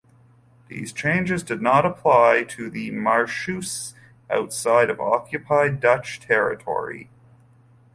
These changes did not apply to the Marechaussee outside occupied Dutch territory.